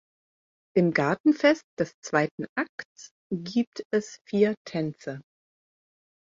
Im Gartenfest des zweiten Akts gibt es vier Tänze.